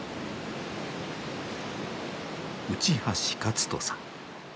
内橋克人さん。